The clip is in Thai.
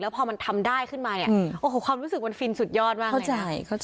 พอมันทำได้ขึ้นมาเนี่ยโอ้โหความรู้สึกมันฟินสุดยอดมาก